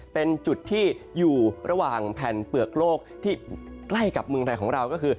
เป็นจุดที่อยู่ระหว่างแผ่นเปลือกโลกที่ใกล้กับเมืองไทยของเราก็คือ